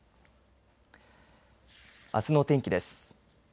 あすの天気です。